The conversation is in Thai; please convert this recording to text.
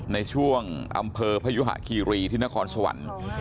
ในช่วงอำเภอพยุหะคีรีที่นครสวรรค์